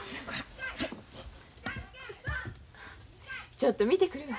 ちょっと見てくるわ。